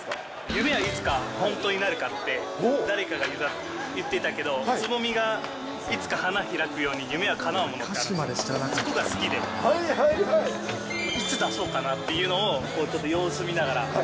ユメはいつかホントになるって誰かが言ってたけど、つぼみがいつか花開くように、夢はかなうものって、そこが好きで、いつ出そうかなっていうのを、ちょっと様子見ながら。